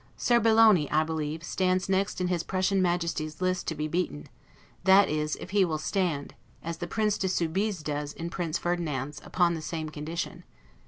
Serbelloni, I believe, stands next in his Prussian Majesty's list to be beaten; that is, if he will stand; as the Prince de Soubize does in Prince Ferdinand's, upon the same condition.